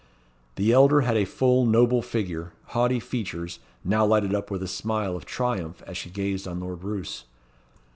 The elder had a full, noble figure, haughty features, now lighted up with a smile of triumph as she gazed on Lord Roos.